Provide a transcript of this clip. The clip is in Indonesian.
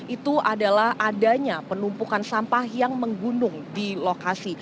itu adalah adanya penumpukan sampah yang menggunung di lokasi